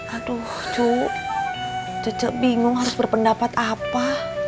aduh cu cecek bingung harus berpendapat apa